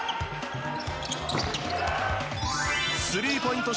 スリーポイント